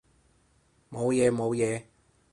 冇嘢冇嘢